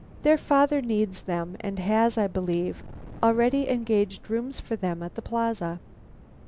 Their father needs them, and has, I believe, already engaged rooms for them at the Plaza."